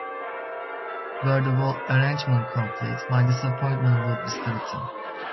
Were the whole arrangement complete, my disappointment would be certain.